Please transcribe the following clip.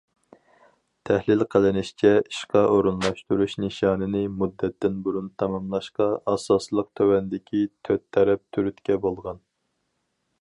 تەھلىل قىلىنىشىچە، ئىشقا ئورۇنلاشتۇرۇش نىشانىنى مۇددەتتىن بۇرۇن تاماملاشقا ئاساسلىقى تۆۋەندىكى تۆت تەرەپ تۈرتكە بولغان.